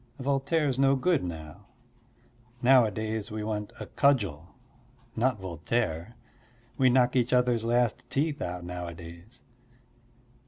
Voltaire's no good now; nowadays we want a cudgel, not Voltaire. We knock each other's last teeth out nowadays.